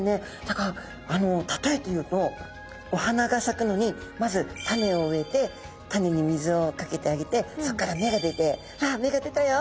だからたとえて言うとお花がさくのにまず種を植えて種に水をかけてあげてそこから芽が出て「わあ芽が出たよ」